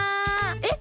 えっ？